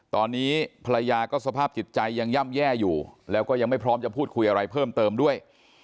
ตอนนี้ภรรยาก็สภาพจิตใจยังย่ำแย่อยู่แล้วก็ยังไม่พร้อมจะพูดคุยอะไรเพิ่มเติมด้วย